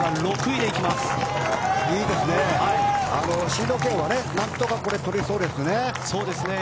シード権はなんとか取りそうですね。